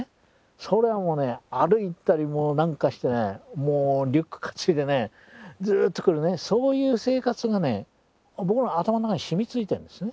それはもうね歩いたりなんかしてリュック担いでずっと来るそういう生活が僕の頭の中にしみついてるんですね。